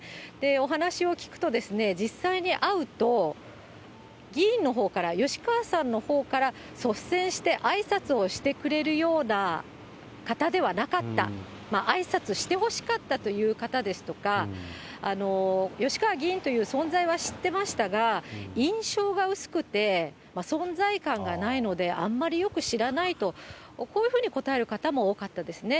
お話を聞くと、実際に会うと、議員のほうから、吉川さんのほうから、率先してあいさつをしてくれるような方ではなかった、あいさつしてほしかったという方ですとか、吉川議員という存在は知ってましたが、印象が薄くて、存在感がないので、あんまりよく知らないと、こういうふうに答える方も多かったですね。